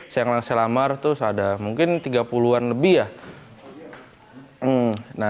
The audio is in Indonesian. saya ngelang selamar tuh ada mungkin tiga puluh an lebih ya